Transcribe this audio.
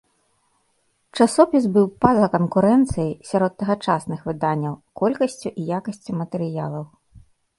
Часопіс быў па-за канкурэнцыяй, сярод тагачасных выданняў, колькасцю і якасцю матэрыялаў.